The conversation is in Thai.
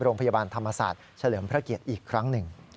โรงพยาบาลธรรมศาสตร์เฉลิมพระเกียรติอีกครั้งหนึ่ง